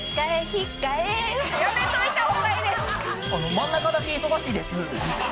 真ん中だけ忙しいです。